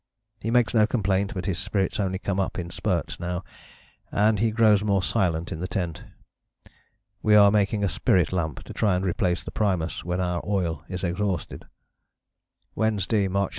He makes no complaint, but his spirits only come up in spurts now, and he grows more silent in the tent. We are making a spirit lamp to try and replace the primus when our oil is exhausted..." "_Wednesday, March 7.